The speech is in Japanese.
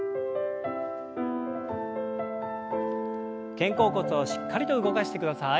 肩甲骨をしっかりと動かしてください。